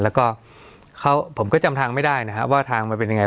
แล้วก็ผมก็จำทางไม่ได้นะครับว่าทางมันเป็นยังไง